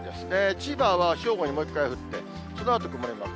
千葉は正午にもう一回降って、そのあと曇りマーク。